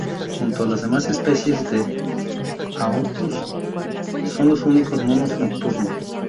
Junto a las demás especies de "Aotus" son los únicos monos nocturnos.